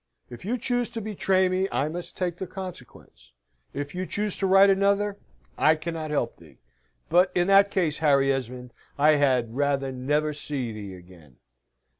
"If you choose to betray me I must take the consequence. If you choose to write another, I cannot help thee. But, in that case, Harry Esmond, I had rather never see thee again.